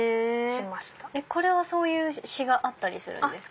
これはそういう詩があったりするんですか？